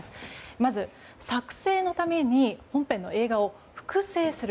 まず、作成のために本編の映画を複製する。